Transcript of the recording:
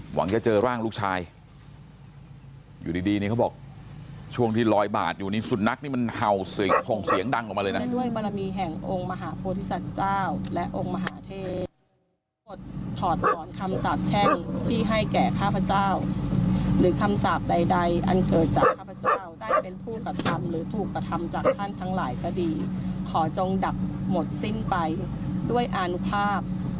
หวังจะเจอร่างลูกชายอยู่ดีนี่เขาบอกช่วงที่รอยบาดอยู่นี่สุดนักนี่มันเห่าส่งเสียงดังออกมาเลยนะ